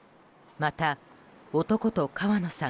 また、男と川野さん